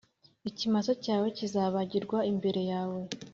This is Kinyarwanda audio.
ikimasa cyawe kizabagirwa imbere yawe,